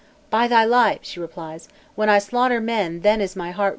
"By thy life," she replies, "when I slaughter men then is my heart right joyful!"